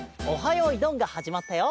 よーいどん」がはじまったよ。